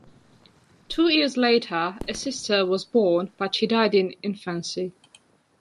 Two years later, a sister was born, but she died in infancy.